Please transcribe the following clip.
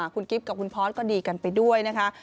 คุณกิฟต์กับคุณพอร์ตก็ดีกันไปด้วยนะคะ